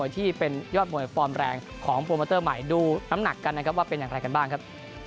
ที่เป็นยอดมวยฟอร์มแรงของโปรโมเตอร์ใหม่ดูน้ำหนักกันนะครับว่าเป็นอย่างไรกันบ้างครับ